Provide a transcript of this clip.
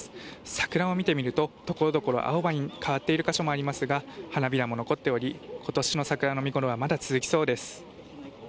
桜を見てみると、ところどころ青葉に変わっている箇所もありますが花びらも残っており今年の桜の見ごろはまだ続きそうです。